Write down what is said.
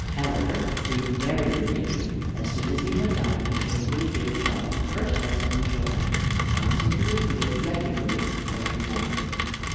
However, being very good natured, as soon as he had dined he cheerfully gave Charlotte her first lesson in shorthand, promising to repeat it regularly every morning.